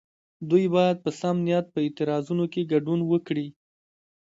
دوی باید په سم نیت په اعتراضونو کې ګډون وکړي.